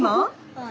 はい。